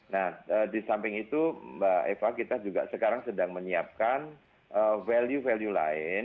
nah di samping itu mbak eva kita juga sekarang sedang menyiapkan value value lain